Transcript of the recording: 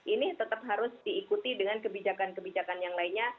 ini tetap harus diikuti dengan kebijakan kebijakan yang lainnya